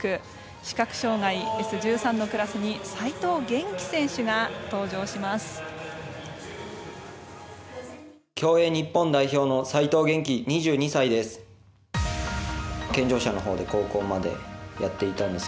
視覚障がいＳ１３のクラスに齋藤元希選手が登場します。